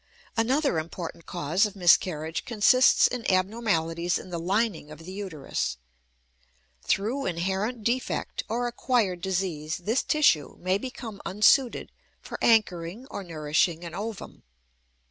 Another important cause of miscarriage consists in abnormalities in the lining of the uterus. Through inherent defect or acquired disease this tissue may become unsuited for anchoring or nourishing an ovum.